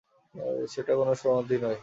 এটা কোনো সমাধি নয়।